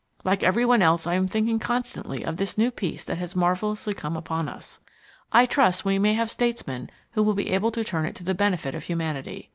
Like everyone else I am thinking constantly of this new peace that has marvellously come upon us. I trust we may have statesmen who will be able to turn it to the benefit of humanity.